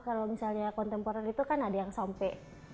kalau misalnya kontemporer itu kan ada yang sampai